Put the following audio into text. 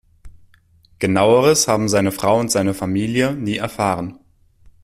Genaueres haben seine Frau und seine Familie nie erfahren.